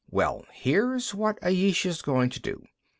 Well, here's what Ayesha's going to do.